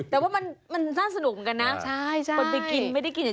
แต่ว่ามันน่าสนุกเหมือนกันนะ